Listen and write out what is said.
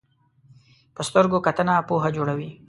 په سترګو کتنه پوهه جوړوي